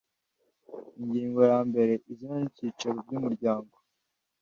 Ingingo ya mbere Izina n Icyicaro by Umuryango